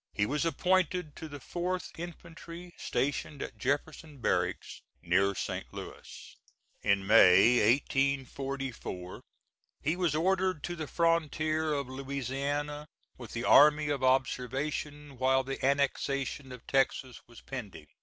He was appointed to the 4th Infantry, stationed at Jefferson Barracks near St. Louis. In May, 1844, he was ordered to the frontier of Louisiana with the army of observation, while the annexation of Texas was pending.